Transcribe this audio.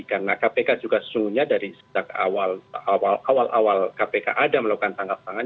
karena kpk juga semuanya dari awal awal kpk ada melakukan tanggap tangan